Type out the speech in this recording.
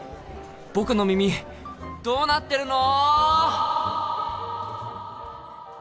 僕の耳どうなってるの！？